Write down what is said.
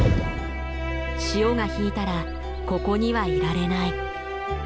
潮が引いたらここにはいられない。